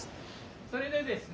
それでですね